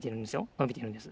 のびてるんです。